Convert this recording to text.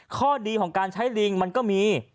ข้อดีของการใช้ลิงมันก็มี